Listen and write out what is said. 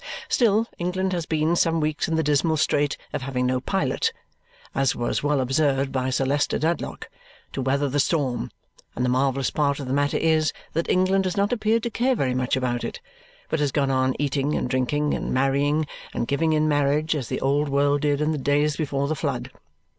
Still England has been some weeks in the dismal strait of having no pilot (as was well observed by Sir Leicester Dedlock) to weather the storm; and the marvellous part of the matter is that England has not appeared to care very much about it, but has gone on eating and drinking and marrying and giving in marriage as the old world did in the days before the flood.